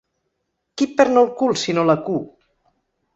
Qui perd no el cul sinó la cu?